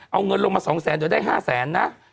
เอาเงินลงมา๒แสนเดี๋ยวได้๕แสนนะ